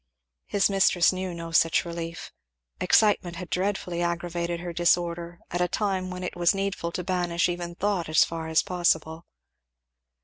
His mistress knew no such relief. Excitement had dreadfully aggravated her disorder, at a time when it was needful to banish even thought as far as possible.